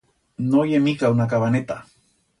No ye mica una cabaneta.